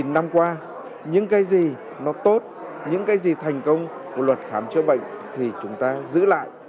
một mươi năm qua những cái gì nó tốt những cái gì thành công của luật khám chữa bệnh thì chúng ta giữ lại